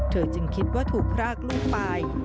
จึงคิดว่าถูกพรากลูกไป